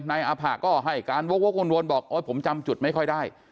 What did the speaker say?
นายอาผะก็ให้การวกวนบอกโอ๊ยผมจำจุดไม่ค่อยได้